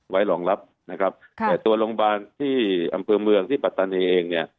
ไว้รองรับนะครับแต่ตัวโรงพยาบาลที่อำเภอเมืองที่ปัตตานีเองเนี่ย